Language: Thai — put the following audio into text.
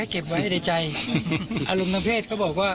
ก็อารมณ์โกรธครับ